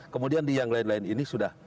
kemudian di yang lain lain ini sudah